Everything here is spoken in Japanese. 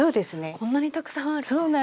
こんなにたくさんあるんですか。